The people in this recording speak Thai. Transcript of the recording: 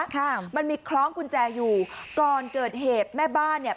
ค่ะมันมีคล้องกุญแจอยู่ก่อนเกิดเหตุแม่บ้านเนี่ย